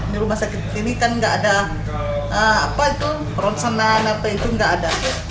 di rumah sakit ini kan nggak ada apa itu ronsenan apa itu nggak ada